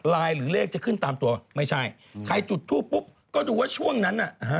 หรือเลขจะขึ้นตามตัวไม่ใช่ใครจุดทูปปุ๊บก็ดูว่าช่วงนั้นน่ะ